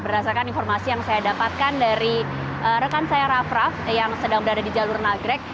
berdasarkan informasi yang saya dapatkan dari rekan saya raff raff yang sedang berada di jalur nagrek